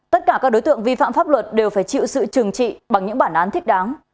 tất cả các đối tượng vi phạm pháp luật đều phải chịu sự trừng trị bằng những bản án thích đáng